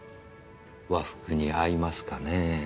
和服に合いますかねぇ。